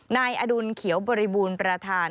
นายอดุลเขียวบริบูรณ์ประธาน